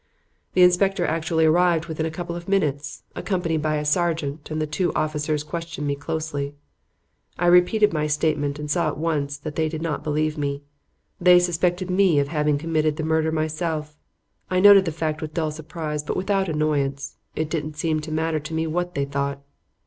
"The inspector actually arrived within a couple of minutes, accompanied by a sergeant, and the two officers questioned me closely. I repeated my statement and saw at once that they did not believe me; that they suspected me of having committed the murder myself. I noted the fact with dull surprise but without annoyance. It didn't seem to matter to me what they thought.